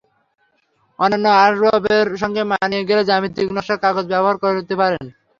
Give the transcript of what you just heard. অন্যান্য আসবাবের সঙ্গে মানিয়ে গেলে জ্যামিতিক নকশার কাগজ ব্যবহার করতে পারেন।